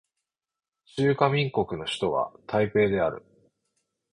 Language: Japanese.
中華民国の首都は台北である